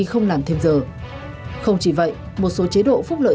không thể hiểu nổi